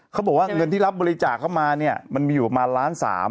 เขาบอกว่าเงินที่รับบริจาคเข้ามาเนี่ยมันมีอยู่ประมาณล้านสาม